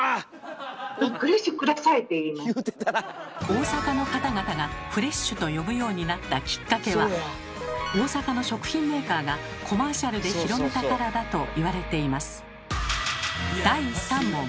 大阪の方々がフレッシュと呼ぶようになったきっかけは大阪の食品メーカーがコマーシャルで広めたからだと言われています。